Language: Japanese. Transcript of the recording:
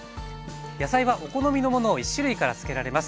野菜はお好みのものを１種類から漬けられます。